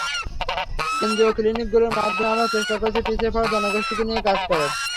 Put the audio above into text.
NGO ক্লিনিকগুলোর মাধ্যমে আমরা চেষ্টা করছি পিছিয়ে পড়া জনগোষ্ঠীকে নিয়ে কাজ করার।